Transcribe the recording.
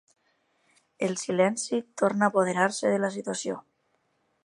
El silenci torna a apoderar-se de la situació.